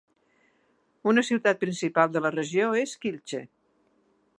Una ciutat principal de la regió és Kielce.